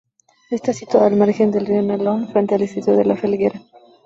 Está situada al margen del río Nalón frente al distrito de La Felguera.